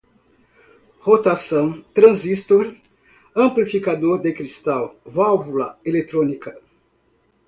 tesla, indução, torque, rotação, transistor, amplificador de cristal, válvula eletrônica, receptores, trapézio